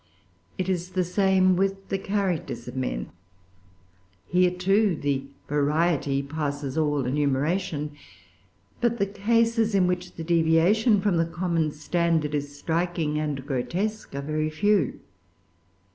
It is the same with the characters of men. Here, too, the variety passes all enumeration. But the cases in which the deviation from the common standard is striking and grotesque are very few.